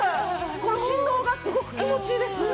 この振動がすごく気持ちいいです。